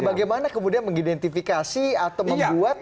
bagaimana kemudian mengidentifikasi atau membuat